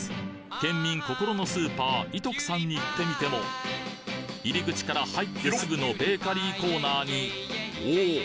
県民心のスーパー「いとく」さんに行ってみても入り口から入ってすぐのベーカリーコーナーにおおっ！